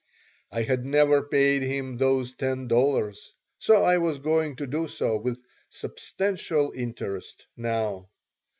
I had never paid him those ten dollars. So I was going to do so with "substantial interest" now.